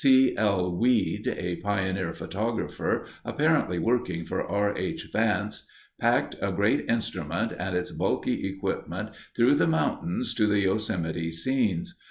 C. L. Weed, a pioneer photographer apparently working for R. H. Vance, packed a great instrument and its bulky equipment through the mountains to the Yosemite scenes.